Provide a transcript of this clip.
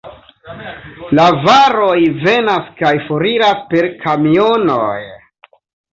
La varoj venas kaj foriras per kamionoj.